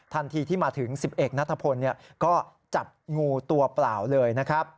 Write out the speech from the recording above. ทันทีที่มาถึง๑๑นัทพลก็จับงูตัวเปล่าเลยนะครับ